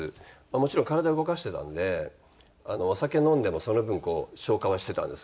もちろん体動かしてたんでお酒飲んでもその分消化はしてたんですけど。